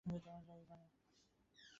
এই মনোভাব দেশের সর্বত্র প্রকট।